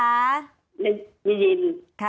ได้ยิน